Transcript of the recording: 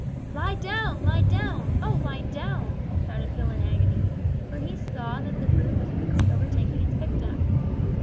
"Lie down! lie down! O lie down!" shouted Phil in agony, for he saw that the brute was quickly overtaking its victim.